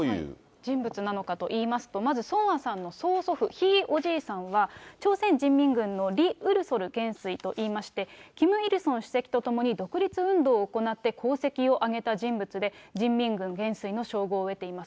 人物なのかといいますと、まずソンアさんの曽祖父、ひいおじいさんは、朝鮮人民軍のリ・ウルソル元帥といいまして、キム・イルソン主席と共に独立運動を行って功績を挙げた人物で、人民軍元帥の称号を得ています。